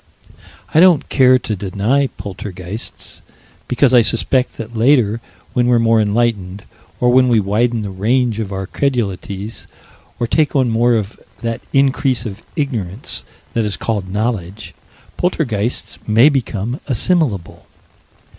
I don't care to deny poltergeists, because I suspect that later, when we're more enlightened, or when we widen the range of our credulities, or take on more of that increase of ignorance that is called knowledge, poltergeists may become assimilable.